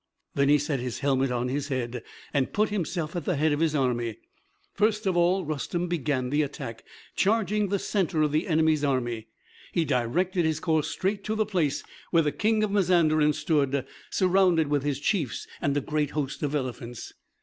Then he set his helmet on his head, and put himself at the head of his army. First of all Rustem began the attack, charging the center of the enemy's army. He directed his course straight to the place where the King of Mazanderan stood, surrounded with his chiefs and a great host of elephants.